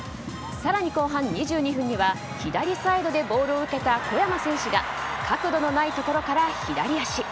更に、後半２２分には左サイドでボールを受けた小山選手が角度のないところから左足。